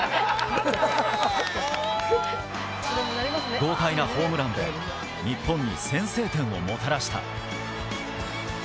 豪快なホームランで日本に先制点をもたらした。